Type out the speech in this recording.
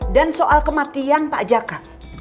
dan soal kematian pak jaka